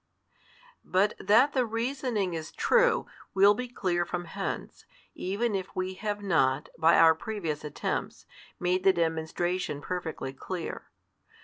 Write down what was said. But that the reasoning is true, will be clear from hence, even if we have not, by our previous attempts, made the demonstration perfectly clear.